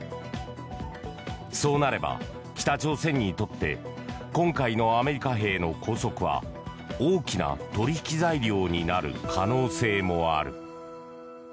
そうなれば、北朝鮮にとって今回のアメリカ兵の拘束は大きな取引材料になる可能性もある。